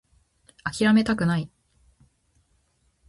諦めたくない